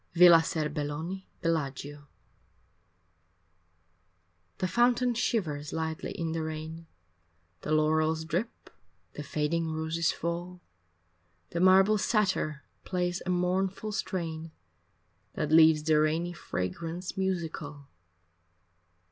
IX Villa Serbelloni, Bellaggio The fountain shivers lightly in the rain, The laurels drip, the fading roses fall, The marble satyr plays a mournful strain That leaves the rainy fragrance musical.